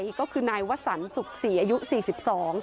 แล้วนัดผู้มาหาตัวหลังชายก็คือนายวสรรสุกษีอายุ๔๒